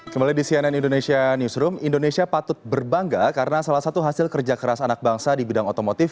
kembali di cnn indonesia newsroom indonesia patut berbangga karena salah satu hasil kerja keras anak bangsa di bidang otomotif